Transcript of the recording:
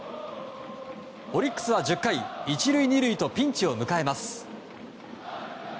オリックスは１０回１塁２塁とピンチを迎えます。